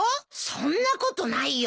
そんなことないよ。